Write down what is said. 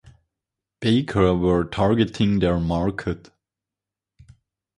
Baker were targeting their market.